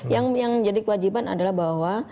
yang jadi kewajiban adalah bahwa